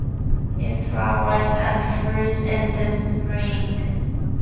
It flowers and fruits in the spring.